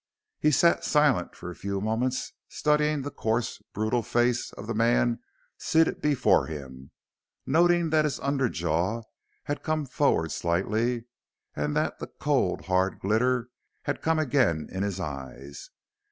He sat silent for a few moments, studying the coarse, brutal face of the man seated before him, noting that his under jaw had come forward slightly, and that the cold, hard glitter had come again in his eyes.